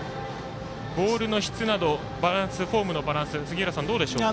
ボールの質などフォームのバランス杉浦さん、どうでしょうか？